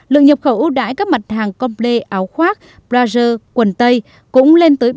lượng nhập khẩu ưu đáy các mặt hàng comple áo khoác blazer quần tây cũng lên tới bảy mươi hai